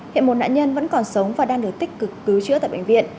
hiện một nạn nhân vẫn còn sống và đang được tích cực cứu chữa tại bệnh viện